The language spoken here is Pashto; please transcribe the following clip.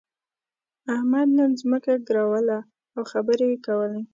احمد نن ځمکه ګروله او خبرې يې کولې.